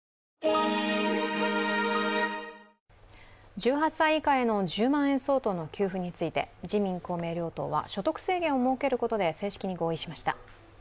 １８歳以下への１０万円相当の給付について自民・公明両党は所得制限を設けることで正式に合意しました。